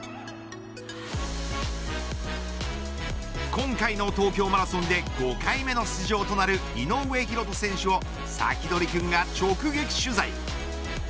今回の東京マラソンで５回目の出場となる井上大仁選手をサキドリくんが直撃取材。